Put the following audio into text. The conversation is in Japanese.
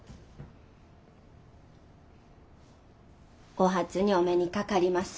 お初にお目にかかります。